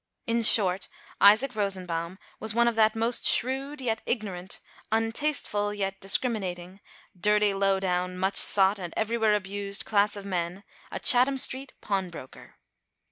In short, Isaac Rosenbaum was one of that most shrewd yet ignorant, untasteful yet dis criminating, dirty, " low down," much sought, and everywhere abused, class of men, a Chatham street pawn broker.